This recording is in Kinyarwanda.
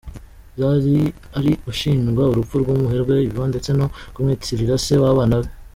Zari ari gushinjwa urupfu rw’umuherwe Ivan ndetse no kumwitirira se w’abana be.